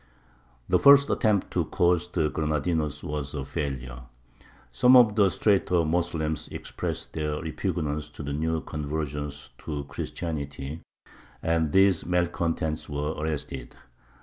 The first attempt to coerce the Granadinos was a failure. Some of the straiter Moslems expressed their repugnance to the new conversions to Christianity, and these malcontents were arrested.